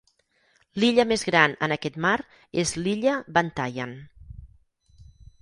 L'illa més gran en aquest mar és l'illa Bantayan.